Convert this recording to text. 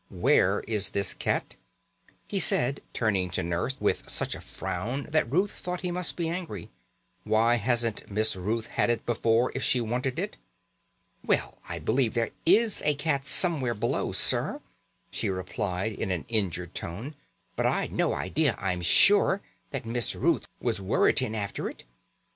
"Where is this cat?" he said, turning to Nurse with such a frown that Ruth thought he must be angry. "Why hasn't Miss Ruth had it before if she wanted it?" "Well, I believe there is a cat somewhere below, sir," she replied in an injured tone; "but I'd no idea, I'm sure, that Miss Ruth was worritting after it.